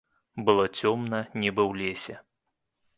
Было цёмна, нібы ў лесе.